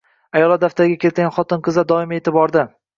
“Ayollar daftari”ga kiritilgan xotin-qizlar doimiy e’tiborda